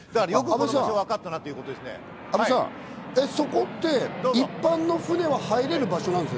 阿部さん、そこって、一般の船は入れる場所なんですか？